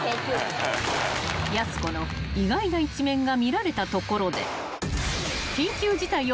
［やす子の意外な一面が見られたところで］